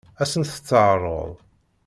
Ad sent-tt-teɛṛeḍ?